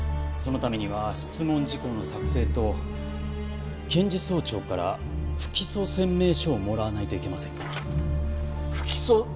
そのためには質問事項の作成と検事総長から不起訴宣明書をもらわないといけませんが。